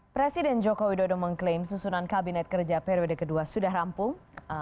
presiden joko widodo mengklaim susunan kabinet kerja periode kedua sudah rampung